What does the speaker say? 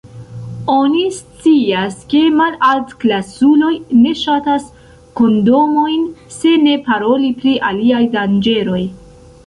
Oni scias, ke malaltklasuloj ne ŝatas kondomojn, se ne paroli pri aliaj danĝeroj.